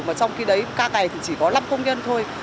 mà trong khi đấy ca ngày thì chỉ có năm công nhân thôi